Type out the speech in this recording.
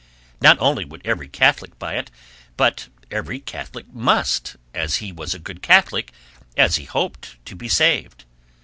Not only would every Catholic buy it, but every Catholic must, as he was a good Catholic, as he hoped to be saved.